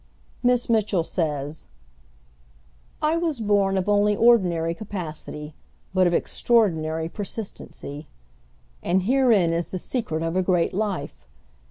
Miss Mitchell says, "I was born of only ordinary capacity, but of extraordinary persistency," and herein is the secret of a great life.